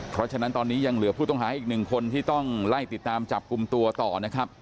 เพราะฉะนั้นตอนนี้ยังเหลือผู้ต้องหาอีกหนึ่งคนที่ต้องไล่ติดตามจับกลุ่มตัวต่อนะครับ